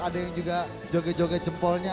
ada yang juga joget joget jempolnya